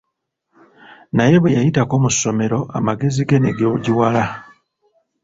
Naye bwe yayitako mu ssomero amagezi ge ne googiwala.